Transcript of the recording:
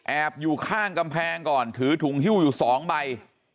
อยู่ข้างกำแพงก่อนถือถุงฮิ้วอยู่๒ใบ